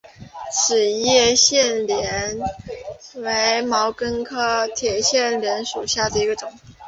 齿叶铁线莲为毛茛科铁线莲属下的一个种。